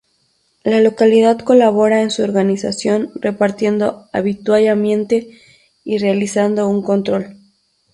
La localidad colabora en su organización repartiendo avituallamiento y realizando un control.